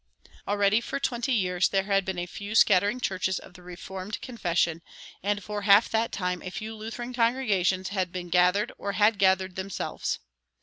Already for twenty years there had been a few scattering churches of the Reformed confession, and for half that time a few Lutheran congregations had been gathered or had gathered themselves.